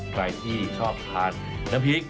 ใครที่ชอบทานน้ำพริก